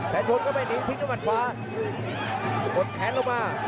แสนชนก็ไม่หนีทิ้งด้วยมัดขวากดแขนลงมา